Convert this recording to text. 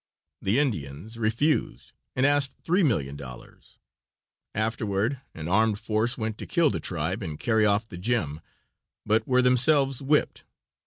The Indians refused, and asked $3,000,000. Afterward an armed force went to kill the tribe and carry off the gem, but were themselves whipped.